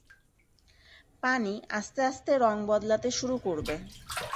পানি আস্তে আস্তে রং বদলাতে শুরু করবে।